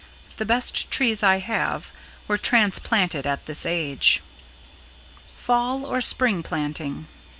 The best trees I have were transplanted at this age." [Sidenote: =Fall or Spring Planting?